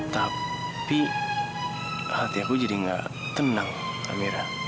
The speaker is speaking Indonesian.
tapi hati aku jadi gak tenang kamera